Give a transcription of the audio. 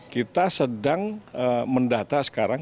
kita sedang mendata sekarang